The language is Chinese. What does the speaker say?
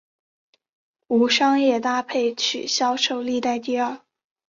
无商业搭配曲销售历代第二。